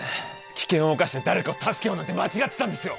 危険を冒して誰かを助けようなんて間違ってたんですよ